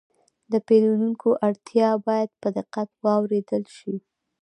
د پیرودونکي اړتیا باید په دقت واورېدل شي.